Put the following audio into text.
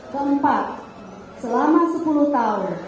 keempat selama sepuluh tahun